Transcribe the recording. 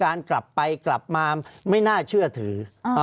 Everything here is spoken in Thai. ภารกิจสรรค์ภารกิจสรรค์